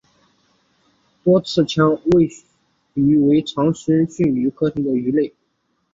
多刺腔吻鳕为长尾鳕科腔吻鳕属的鱼类。